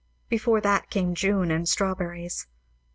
Before that came June and strawberries.